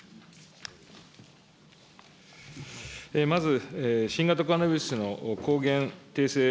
まず新型コロナウイルスの抗原ていせい